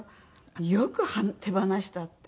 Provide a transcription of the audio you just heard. よく手放したって。